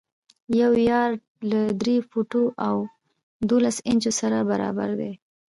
یو یارډ له درې فوټو او دولس انچو سره برابر دی.